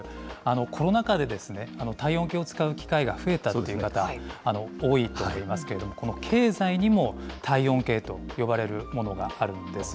コロナ禍で体温計を使う機会が増えたという方、多いと思いますけれども、この経済にも、体温計と呼ばれるものがあるんです。